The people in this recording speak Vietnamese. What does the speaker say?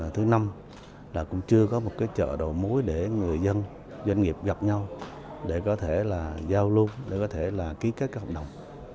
thứ năm là cũng chưa có một chợ đầu mối để người dân doanh nghiệp gặp nhau để có thể là giao luôn để có thể là ký kết các hợp đồng